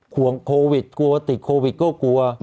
ห่วงโควิดกลัวติดโควิดก็กลัว